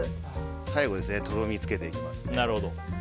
最後にとろみをつけていきます。